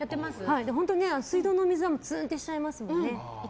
本当、水道の水はツーンとしちゃいますよね。